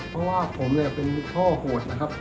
เพราะว่าผมเป็นท่อโหดนะครับ